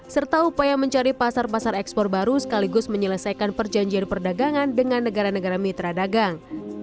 serta upaya mencari pasar pasar ekspor baru sekaligus menyelesaikan perjanjian perdagangan dengan negara negara mitra dagang